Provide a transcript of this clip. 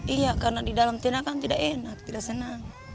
iya karena di dalam tenda kan tidak enak tidak senang